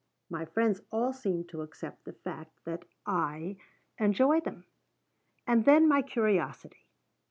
My friends all seem to accept the fact that I enjoy them. And then my curiosity.